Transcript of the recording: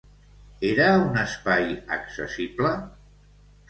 Era un espai accessible?